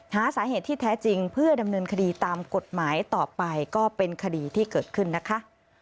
หาสาเหตุที่แท้จริงเพื่อดำเนินคดีตามกฎหมายต่อไปก็เป็นคดีที่เกิดขึ้นนะคะ